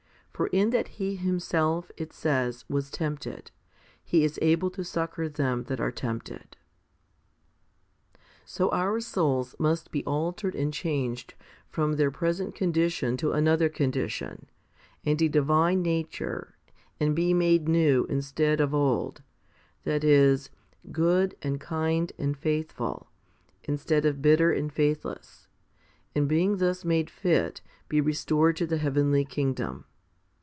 For in that He Himself, it says, was tempted, He is able to succour them that are templed? 8. So our souls must be altered and changed from their present condition to another condition, and a divine nature, and be made new instead of old that is, good and kind and faithful, instead of bitter and faithless, and being thus made fit, be restored to the heavenly kingdom.